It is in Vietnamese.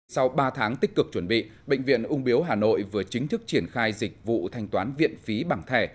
sau ba tháng tích cực chuẩn bị bệnh viện ung biếu hà nội vừa chính thức triển khai dịch vụ thanh toán viện phí bằng thẻ